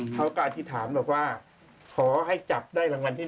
เขาก็อธิตามแบบว่าขอให้จับได้รังวัลที่๑